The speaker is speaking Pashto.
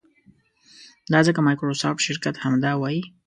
دا ځکه مایکروسافټ شرکت همدا وایي.